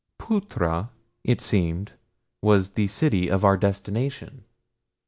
Phutra, it seemed, was the city of our destination.